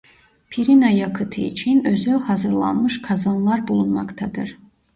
Pirina yakıtı için özel hazırlanmış kazanlar bulunmaktadır.